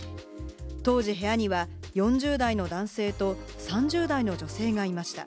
当時部屋には４０代の男性と３０代の女性がいました。